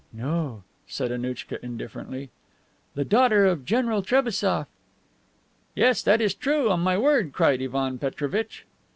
"No," said Annouchka indifferently. "The daughter of General Trebassof." "Yes, that is true, on my word," cried Ivan Petrovitch.